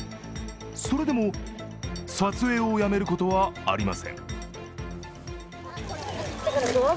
それでも撮影をやめることはありません。